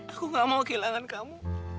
aku gak mau kehilangan kamu